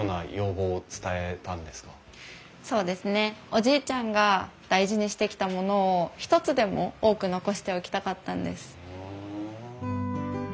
おじいちゃんが大事にしてきたものを一つでも多く残しておきたかったんです。